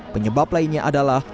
penyebab lainnya adalah